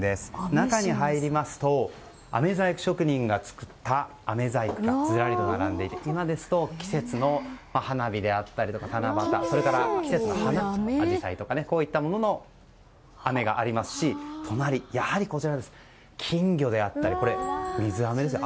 中に入りますとあめ細工職人が作ったあめ細工がずらりと並んでいて今ですと季節の花火であったりとか七夕、それから季節の花アジサイとかこういったもののあめがありますし、金魚であったりこれ、水あめですよ。